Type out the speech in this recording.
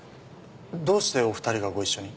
どうしてお二人がご一緒に？